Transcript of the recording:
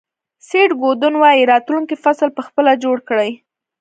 سیټ گودن وایي راتلونکی فصل په خپله جوړ کړئ.